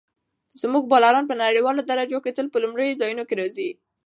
زموږ بالران په نړیوالو درجو کې تل په لومړیو ځایونو کې راځي.